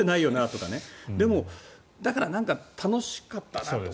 でも、だから楽しかったなと。